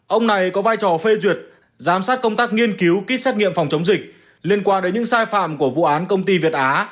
ông này có vai trò phê duyệt giám sát công tác nghiên cứu ký xét nghiệm phòng chống dịch liên quan đến những sai phạm của vụ án công ty việt á